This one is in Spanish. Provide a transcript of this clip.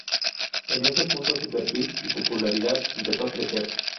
En este punto su perfil y popularidad empezaron a crecer.